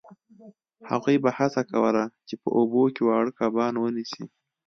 هغوی به هڅه کوله چې په اوبو کې واړه کبان ونیسي